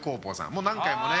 もう何回もね